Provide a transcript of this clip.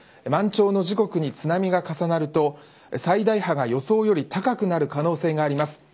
満潮の時刻に津波が重なると最大波が予想より高くなる可能性があります。